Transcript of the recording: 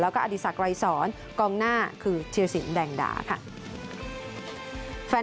แล้วก็อดีศักดรายสอนกองหน้าคือธิรสินแดงดาค่ะ